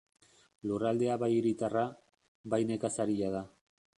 Lurraldea bai hiritarra, bai nekazaria da.